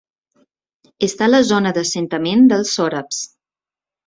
Està a la zona d'assentament dels sòrabs.